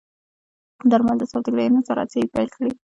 درملو د سوداګرۍ انحصار هڅې یې پیل کړې.